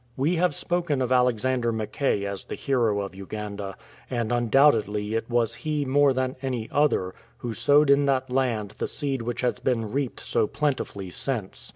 We have spoken of Alexander Mackay as the hero of Uganda ; and undoubtedly it was he more than any other who sowed in that land the seed which has been reaped so plentifully since.